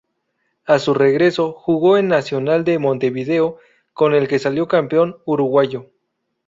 A su regreso jugó en Nacional de Montevideo, con el que salió campeón uruguayo.